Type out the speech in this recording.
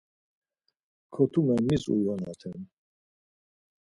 Kotume mis uyonaten?